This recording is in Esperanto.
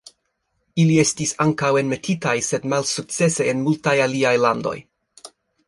Ili estis ankaŭ enmetitaj sed malsukcese en multaj aliaj landoj.